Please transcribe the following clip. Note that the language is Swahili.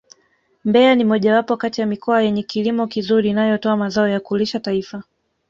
Mbeya ni mojawapo kati ya mikoa yenye kilimo kizuri inayotoa mazao ya kulisha taifa